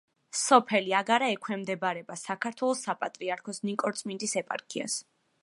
სოფელი აგარა ექვემდებარება საქართველოს საპატრიარქოს ნიკორწმინდის ეპარქიას.